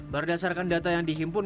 berdasarkan data yang dihimpun